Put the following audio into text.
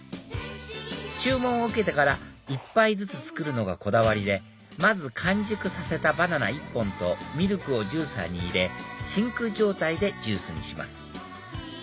注文を受けてから一杯ずつ作るのがこだわりでまず完熟させたバナナ１本とミルクをジューサーに入れ真空状態でジュースにします